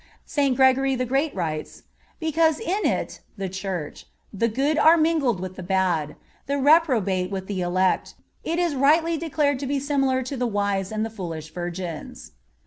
(49) St. Gregory the Great writes: "Because in it (the Church) the good are mingled with the bad, the reprobate with the elect, it is rightly declared to be similar to the wise and the foolish virgins."